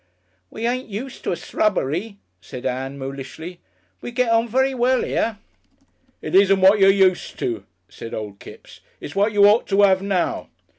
"We ain't used to a s'rubbery," said Ann, mulishly; "we get on very well 'ere." "It isn't what you're used to," said old Kipps, "it's what you ought to 'ave now."